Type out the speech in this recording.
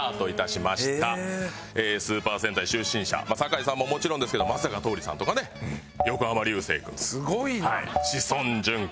スーパー戦隊出身者酒井さんももちろんですけど松坂桃李さんとかね横浜流星君志尊淳君